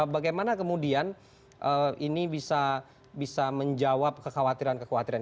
bagaimana kemudian ini bisa menjawab kekhawatiran kekhawatiran